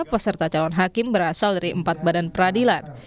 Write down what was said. peserta calon hakim berasal dari empat badan peradilan